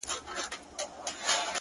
• ښكلي دا ستا په يو نظر كي جــادو؛